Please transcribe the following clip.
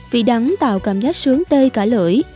vị đắng tạo cảm giác sướng tê cả lưỡi